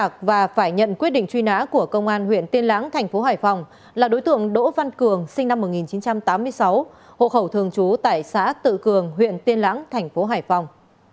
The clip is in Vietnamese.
tội đánh bạc và phải nhận quyết định truy nã của công an huyện tiên lãng tp hải phòng là đối tượng đỗ văn cường sinh năm một nghìn chín trăm tám mươi sáu hộ khẩu thường trú tại xã tự cường huyện tiên lãng tp hải phòng